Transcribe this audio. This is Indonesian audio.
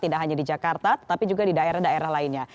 tidak hanya di jakarta tapi juga di daerah daerah lainnya